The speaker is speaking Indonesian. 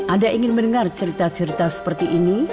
anda ingin mendengar cerita cerita seperti ini